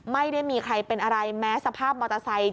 ไม่ได้มีใครเป็นอะไรแม้สภาพมอเตอร์ไซค์